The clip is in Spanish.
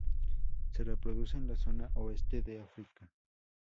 Se reproduce en la zona oeste de África.